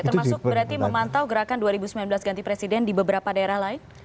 termasuk berarti memantau gerakan dua ribu sembilan belas ganti presiden di beberapa daerah lain